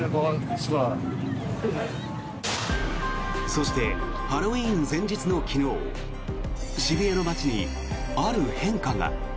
そしてハロウィーン前日の昨日渋谷の街にある変化が。